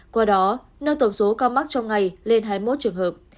qua đó nâng tổng số ca mắc trong ngày lên hai mươi một trường hợp